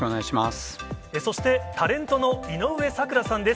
そして、タレントの井上咲楽さんです。